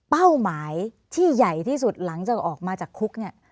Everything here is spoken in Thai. เป้าหมายที่ใหญ่ที่สุดหลังจากออกมาจากคุกเนี่ย